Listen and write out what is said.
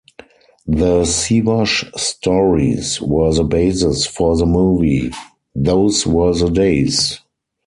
The Siwash stories were the basis for the movie Those Were the Days!